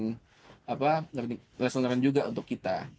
itu bisa menjadi lesson juga untuk kita